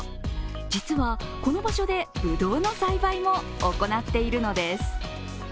実はこの場所でぶどうの栽培も行っているのです。